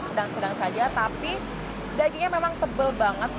sedang sedang saja tapi dagingnya memang tebal banget